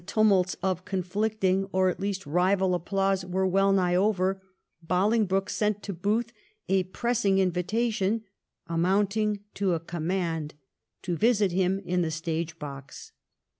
287 tumults of conflicting or at least rival applause were well nigli over, Bolingbroke sent to Booth a pressing invitation, amounting to a command, to visit him in the stage box.